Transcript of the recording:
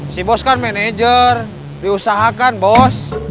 si bos kan manajer diusahakan bos